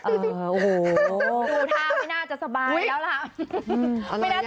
โอ้โหดูท่าไม่น่าจะสบายแล้วล่ะ